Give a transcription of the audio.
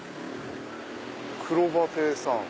くろば亭さん。